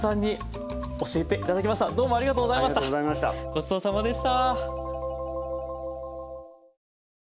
ごちそうさまでした。